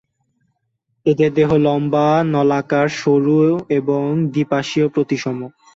এদের দেহ লম্বা, নলাকার, সরু এবং দ্বিপাশীয় প্রতিসম।